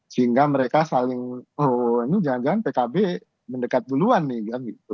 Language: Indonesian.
sehingga mereka saling oh ini jangan jangan pkb mendekat duluan nih kan gitu